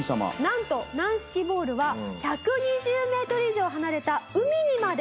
なんと軟式ボールは１２０メートル以上離れた海にまで到達したんです。